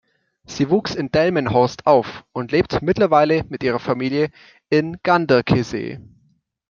Sie wuchs in Delmenhorst auf und lebt mittlerweile mit ihrer Familie in Ganderkesee.